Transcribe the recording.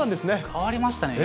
変わりましたね。